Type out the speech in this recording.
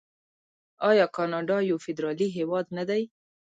آیا کاناډا یو فدرالي هیواد نه دی؟